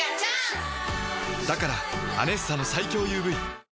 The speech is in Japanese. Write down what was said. だから「アネッサ」の最強ＵＶ